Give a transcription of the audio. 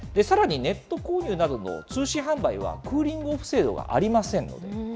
さらにネット購入などの通信販売は、クーリングオフ制度がありませんので。